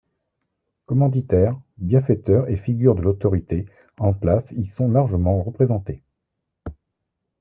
Commanditaires, bienfaiteurs et figures de l'autorité en place y sont largement représentés.